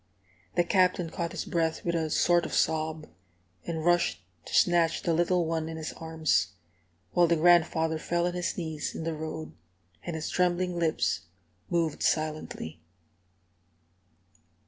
The Captain caught his breath with a sort of sob, and rushed to snatch the little one in his arms; while the grandfather fell on his knees in the road, and his trembling lips moved silently.